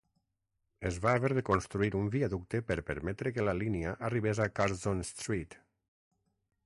Es va haver de construir un viaducte per permetre que la línia arribés a Curzon Street.